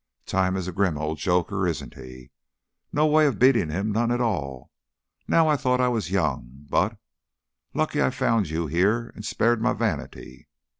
"Time is a grim old joker, isn't he? No way of beating him, none at all. Now I thought I was young, but Lucky I found you here and spared my vanity."